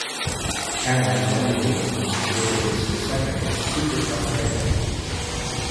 Hammers won the game and secured its second Supercup title.